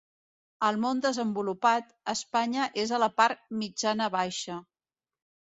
Al món desenvolupat, Espanya és a la part mitjana-baixa.